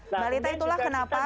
mbak lita itulah kenapa